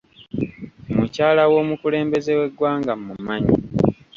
Mukyala w'omukulembeze w'eggwanga mmumanyi